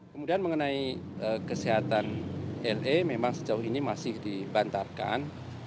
kemudian mengenai kesehatan le memang sejauh ini masih dibantarkan